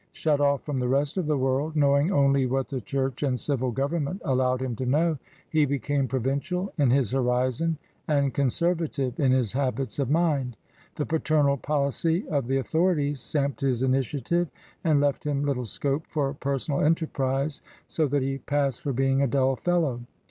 Shut off from the rest of the world, know ing only what the Church and civil government allowed bim to know, he became provincial in his horizon and conservative in his habits of mind. The paternal policy of the authorities sapped his initiative and left him little scope for personal enterprise, so that he passed for being a dull fellow.